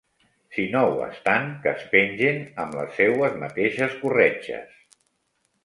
Si no ho estan, que es pengen amb les seues mateixes corretges.